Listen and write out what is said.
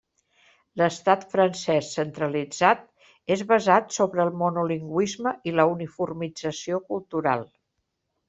L’Estat francès centralitzat és basat sobre el monolingüisme i la uniformització cultural.